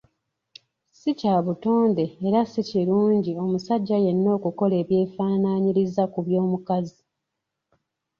Si kya butonde era si kirungi omusajja yenna okukola ebyefaanaanyiriza ku by’omukazi.